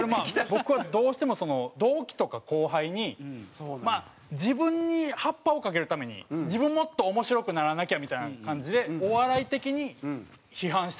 僕はどうしても同期とか後輩にまあ自分にハッパをかけるために自分もっと面白くならなきゃみたいな感じでお笑い的に批判しちゃうんですよね。